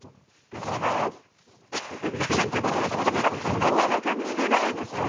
なかなか見れないですね。